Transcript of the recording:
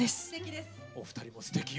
お二人もすてきよ。